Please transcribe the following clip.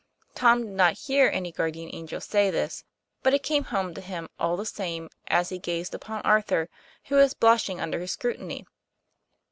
Tom did not hear any guardian angel say this, but it came home to him, ail the same, as he gazed upon Arthur, who \vas blushing under his scrutiny.